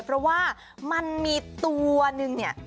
เพราะว่ามันมีตัวหนึ่งเนี่ย